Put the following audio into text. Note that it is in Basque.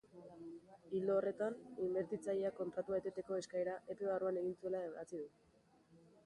Ildo horretan, inbertitzaileak kontratua eteteko eskaera epe barruan egin zuela ebatzi du.